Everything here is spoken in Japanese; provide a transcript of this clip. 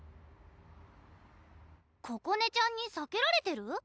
ここねちゃんにさけられてる？